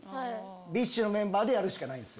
ＢｉＳＨのメンバーでやるしかないです。